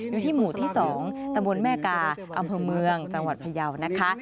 อยู่ที่หมู่ที่๒ตำบลแม่กาอำเภอเมืองจังหวัดพยาวนะคะ